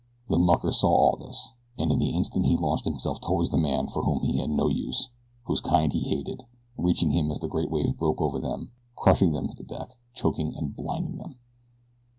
The mucker saw all this, and in the instant he launched himself toward the man for whom he had no use, whose kind he hated, reaching him as the great wave broke over them, crushing them to the deck, choking and blinding them.